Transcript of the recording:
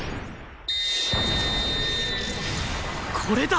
これだ！